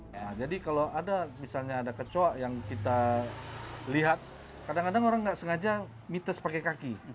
nah jadi kalau ada misalnya ada kecok yang kita lihat kadang kadang orang nggak sengaja mites pakai kaki